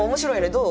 どう？